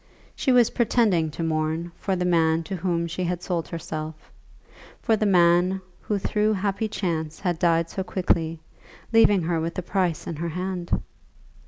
She was pretending to mourn for the man to whom she had sold herself; for the man who through happy chance had died so quickly, leaving her with the price in her hand!